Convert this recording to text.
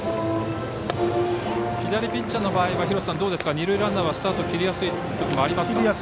左ピッチャーの場合は二塁ランナーはスタート切りやすいときもありますか。